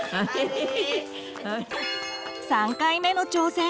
３回目の挑戦！